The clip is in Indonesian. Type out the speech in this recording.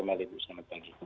terima kasih kembali